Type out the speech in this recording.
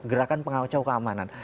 gerakan pengawasan keamanan